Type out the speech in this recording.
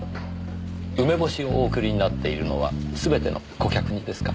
梅干しをお送りになっているのは全ての顧客にですか？